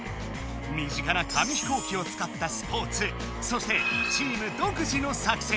み近な紙飛行機をつかったスポーツそしてチームどく自の作戦。